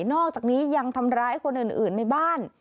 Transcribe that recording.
อกจากนี้ยังทำร้ายคนอื่นในบ้าน